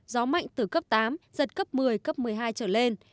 gió mạnh từ cấp tám giật cấp một mươi cấp một mươi hai trở lên